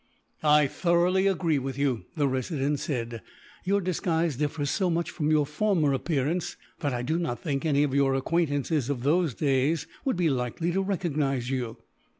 "I thoroughly agree with you," the Resident said. "Your disguise differs so much, from your former appearance, that I do not think any of your acquaintances, of those days, would be likely to recognize you."